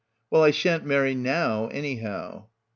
"Well, I shan't marry now anyhow."